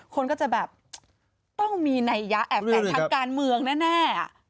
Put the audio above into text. คนก็จะแบบต้องมีนัยยะแอบแฝงทางการเมืองแน่